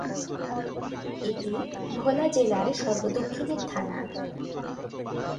এটি ভোলা জেলার সর্ব-দক্ষিণের থানা।